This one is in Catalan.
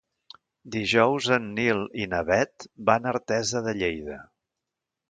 Dijous en Nil i na Bet van a Artesa de Lleida.